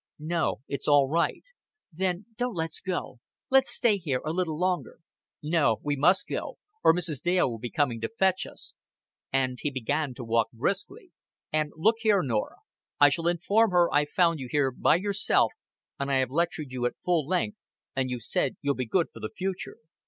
"No, it's all right." "Then, don't let's go. Let's stay here a little longer" "No, we must go or Mrs. Dale will be coming to fetch us;" and he began to walk briskly. "And look here, Norah. I shall inform her I found you here by yourself, and I have lectured you at full length, and you've said you'll be good for the future.